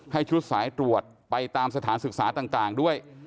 ให้ชุดสายตรวจไปตามสถานศึกษาต่างด้วย